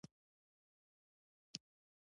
حکومت اصلاً د ملي ادارې لپاره یوه متحده موسسه ده.